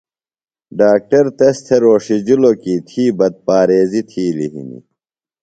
ڈاکٹر تس تھےۡ روݜِجِلوۡ کی تھی بد پاریزیۡ تِھیلیۡ ہِنیۡ۔